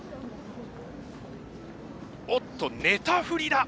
おっと寝たふりだ！